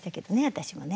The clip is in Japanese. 私もね。